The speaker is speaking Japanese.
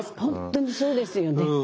本当にそうですよね。